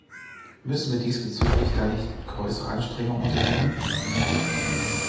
Müssen wir diesbezüglich dann nicht größere Anstrengungen unternehmen?